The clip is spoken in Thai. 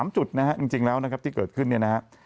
๓จุดนะฮะจริงแล้วนะครับที่เกิดขึ้นเนี่ยนะฮะ